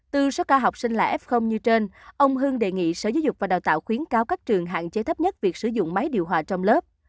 từ số ca học sinh là f như trên ông hưng đề nghị sở giáo dục và đào tạo khuyến cáo các trường hạn chế thấp nhất việc sử dụng máy điều hòa trong lớp